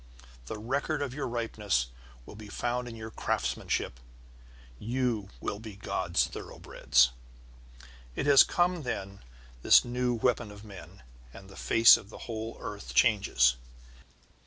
The record of your ripeness will be found in your craftsmanship. You will be God's thoroughbreds. It has come then, this new weapon of men, and the face of the whole earth changes.